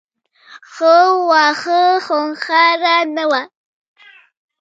خو واښه خونخواره نه وو.